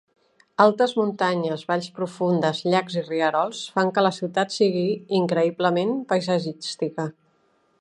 Altes muntanyes, valls profundes, llacs i rierols, fan que la ciutat sigui increïblement paisatgística.